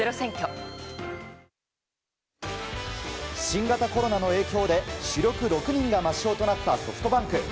ＪＴ新型コロナの影響で主力６人が抹消となったソフトバンク。